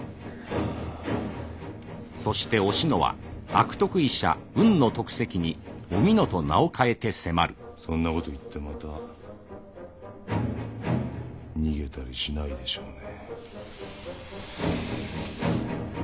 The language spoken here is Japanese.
そしておしのは悪徳医者海野得石におみのと名を変えて迫るそんな事を言ってまた逃げたりしないでしょうね。